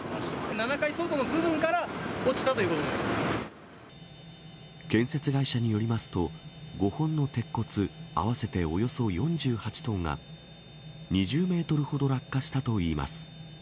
７階相当の部分から落ちたという建設会社によりますと、５本の鉄骨合わせておよそ４８トンが、２０メートルほど落下したといいます。